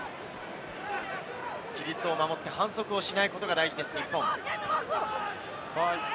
規律を守って反則をしないことが大事です、日本。